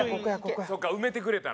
そうか埋めてくれたら。